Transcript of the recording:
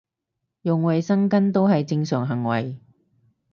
用衞生巾都係正常行為